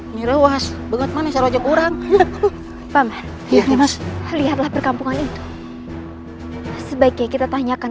ini lewat banget mana kalau aja kurang paman lihat perkampungan itu sebaiknya kita tanyakan